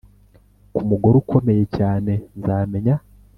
ku mugore ukomeye cyane nzamenya.